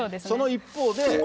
その一方で。